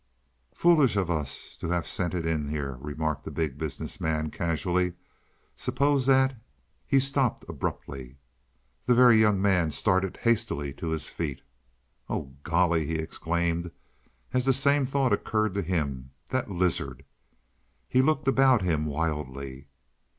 "Foolish of us to have sent it in here," remarked the Big Business Man casually. "Suppose that " He stopped abruptly. The Very Young Man started hastily to his feet. "Oh, golly!" he exclaimed as the same thought occurred to him. "That lizard " He looked about him wildly.